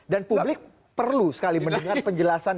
dan publik perlu sekali mendengar penjelasan